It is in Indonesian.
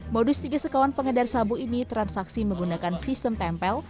modus tiga sekawan pengedar sabu ini transaksi menggunakan sistem tempel